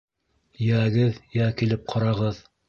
«Йәгеҙ, йә килеп ҡарағыҙ!»